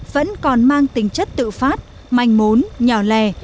vẫn còn mang tính chất tự phát manh mốn nhỏ lè